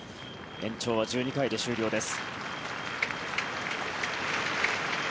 延長は１２回で終了です。